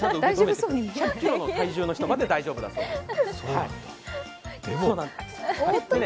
１００ｋｇの体重の人まで大丈夫です。